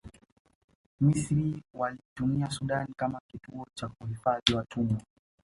misri waliitumia sudan kama kituo cha kuhifadhi watumwa